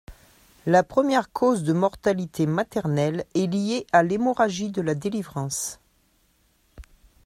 La première cause de mortalité maternelle est liée à l’hémorragie de la délivrance.